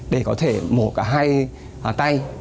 để có thể mổ cả hai tay